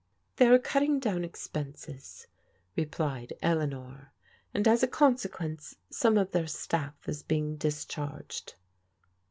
They are cutting down expenses," replied Eleanor, " and as a consequence some of their staflf is being dis charged."